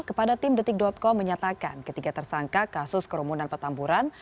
kepada tim detik com menyatakan ketiga tersangka kasus kerumunan petamburan